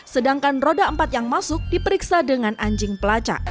sedangkan roda empat yang masuk diperiksa dengan anjing pelacak